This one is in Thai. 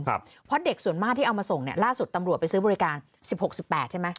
เพราะเด็กส่วนมากที่เอามาส่งเนี่ยล่าสุดตำรวจไปซื้อบริการสิบหกสิบแปดใช่ไหม